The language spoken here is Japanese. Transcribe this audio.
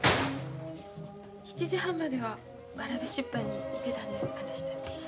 ７時半まではわらべ出版にいてたんです私たち。